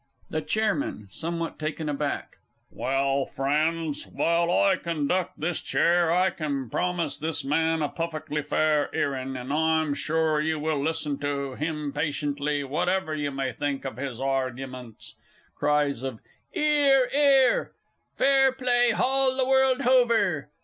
THE CHAIRMAN (somewhat taken aback). Well, Friends, while I conduct this chair, I can promise this man a puffickly fair 'earin', and I'm sure you will listen to him patiently, whatever you may think of his arguments. (_Cries of 'Ear 'ear! "Fair play hall the world hover!"